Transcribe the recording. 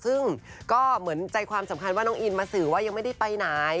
ซึ่งก็เหมือนใจความสำคัญว่าน้องอินมาสื่อว่ายังไม่ได้ไปไหน